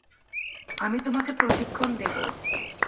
আমি তোমাকে প্রশিক্ষণ দেবো।